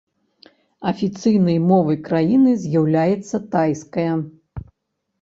Афіцыйнай мовай краіны з'яўляецца тайская.